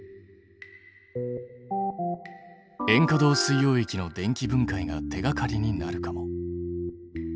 塩化銅水溶液の電気分解が手がかりになるかも。